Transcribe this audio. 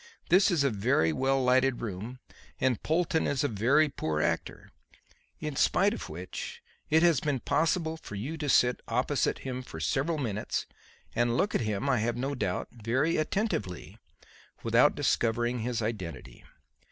This is a very well lighted room and Polton is a very poor actor; in spite of which it has been possible for you to sit opposite him for several minutes and look at him, I have no doubt, very attentively, without discovering his identity.